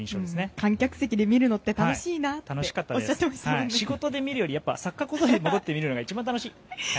観客席で見るのって楽しいなと仕事で見るよりサッカー小僧で見るのが一番楽しい。